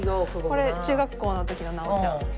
これ中学校の時の奈緒ちゃん。